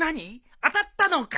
当たったのかい？